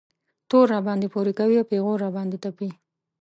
تور راباندې پورې کوي او پېغور را باندې تپي.